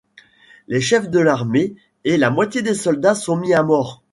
Les chefs de l’armée et la moitié des soldats sont mis à mort.